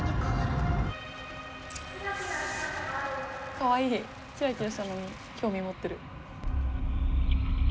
かわいいキラキラしたのに興味持ってる。